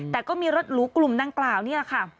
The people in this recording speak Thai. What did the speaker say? แต่ก็มีรถหรูกลุ่มดังกล่าวนี่แหละค่ะ